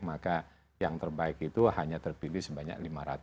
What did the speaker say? maka yang terbaik itu hanya terpilih sebanyak lima ratus